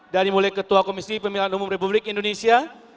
dari mulai ketua komisi pemilihan umum republik indonesia